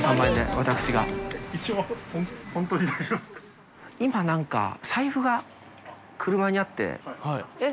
一応、今なんか、財布が車にあって。